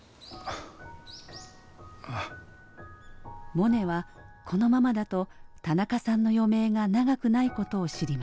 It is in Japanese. モネはこのままだと田中さんの余命が長くないことを知ります。